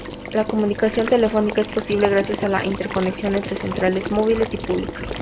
La comunicación telefónica es posible gracias a la interconexión entre centrales móviles y públicas.